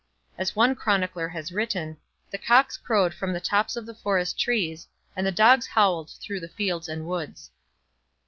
As one chronicler has written: 'The cocks crowed from the tops of the forest trees, and the dogs howled through the fields and woods.'